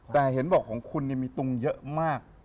แต่เห็นบอกของคุณมีตุงเยอะมาก